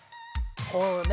こうね。